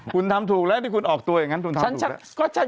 คุณทำถูกแล้วที่คุณออกตัวอย่างนั้นคุณทำ